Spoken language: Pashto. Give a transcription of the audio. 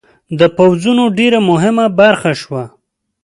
د پوځونو ډېره مهمه برخه شوه.